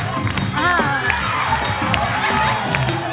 ประชานกันไหมครับ